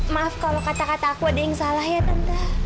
maaf kalau kata kata aku ada yang salah ya tentang